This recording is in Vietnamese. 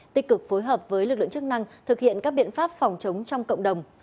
tích cực phối hợp với lực lượng chức năng thực hiện các biện pháp phòng chống trong cộng đồng